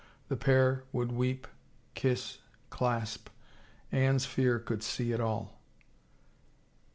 The pair would weep, kiss, clasp — Anne's fear could see it all.